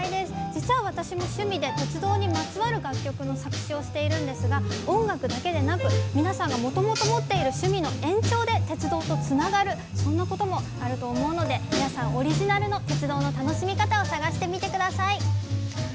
実は私も趣味で鉄道にまつわる作曲、作詞をしているんですが音楽だけでなく皆さんがもともと持っている趣味の延長で鉄道でつながる皆さんのオリジナルの楽しみ方探してみてください。